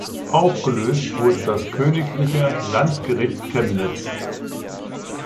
Aufgelöst wurde das Königliche Landgericht Chemnitz.